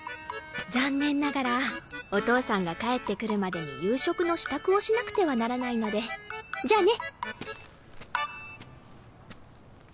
残念ながらお父さんが帰ってくるまでに夕食の支度をしなくてはならないのでじゃあね。